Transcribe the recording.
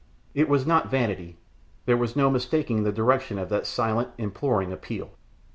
It was not vanity. There was no mistaking the direction of that silent, imploring appeal.